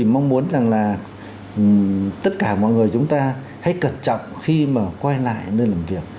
mong muốn rằng là tất cả mọi người chúng ta hãy cẩn trọng khi mà quay lại nơi làm việc